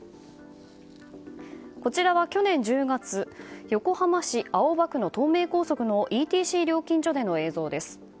こちらは、去年１０月横浜市青葉区の東名高速のＥＴＣ料金所での映像です。